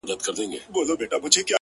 ستا له تصويره سره،